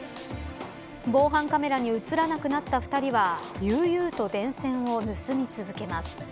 防犯カメラに映らなくなった２人は悠々と電線を盗み続けます。